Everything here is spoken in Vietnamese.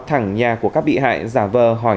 thẳng nhà của các bị hại giả vờ hỏi